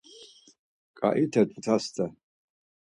Ǩaite Tutaste.